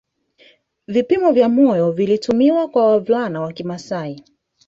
Vipimo vya moyo vilitumiwa kwa wavulana wa kimasai